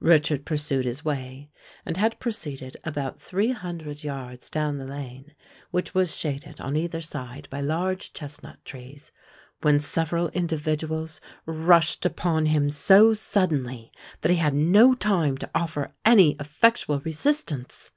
Richard pursued his way, and had proceeded about three hundred yards down the lane, which was shaded on either side by large chesnut trees, when several individuals rushed upon him so suddenly that he had no time to offer any effectual resistance.